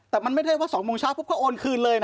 แต่มันไม่ได้ว่า๒โมงเช้าปุ๊บก็โอนคืนเลยนะ